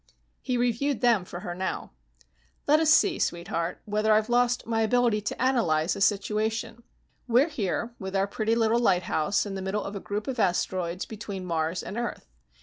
He reviewed them for her now. "Let us see, sweetheart, whether I've lost my ability to analyze a situation. We're here with our pretty little lighthouse in the middle of a group of asteroids between Mars and Earth.